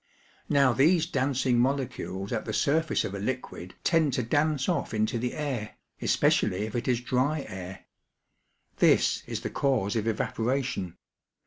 Now these dancing molecules at the surface of a liquid tend to dance off into the air, especially if it is dry air. This is the cause of evaporation.